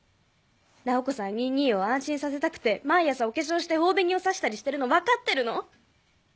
菜穂子さんニイ兄を安心させたくて毎朝お化粧して頬紅をさしたりしてるの分かってるの⁉